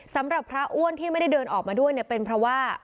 สำหรับพระอ้วนที่ไม่ได้เดินออกมาด้วยเนี่ยเป็นเพราะว่า